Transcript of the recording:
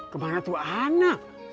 kemana tuh anak